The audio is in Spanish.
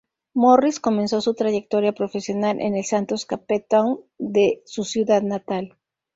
Morris comenzó su trayectoria profesional en el Santos Cape Town de su ciudad natal.